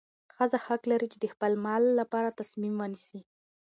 ښځه حق لري چې د خپل مال لپاره تصمیم ونیسي.